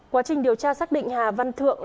quá trình điều tra xác định hà văn thượng